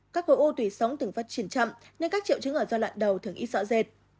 các khổ u tùy sống từng phát triển chậm nên các triệu chứng ở do lạn đầu thường ít sọ dệt